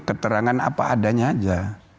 keterangan apa adanya aja